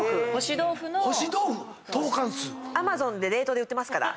Ａｍａｚｏｎで冷凍で売ってますから。